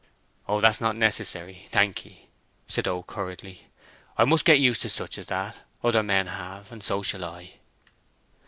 "O that's not necessary, thank 'ee," said Oak, hurriedly. "I must get used to such as that; other men have, and so shall I."